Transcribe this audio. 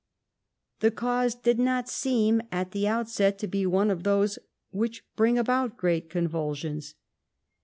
The cause did not seem at the outset to be one of those which bring about great convulsions.